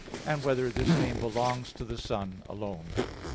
(2) Whether this name belongs to the Son alone?